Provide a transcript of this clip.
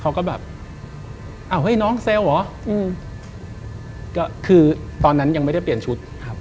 เขาก็แบบอ้าวเฮ้ยน้องเซลล์เหรออืมก็คือตอนนั้นยังไม่ได้เปลี่ยนชุดครับ